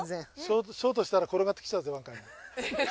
ショートしたら転がってきちゃうバンカーに。